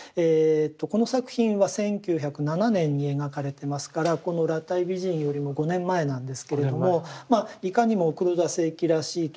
この作品は１９０７年に描かれてますからこの「裸体美人」よりも５年前なんですけれどもまあいかにも黒田清輝らしいというか。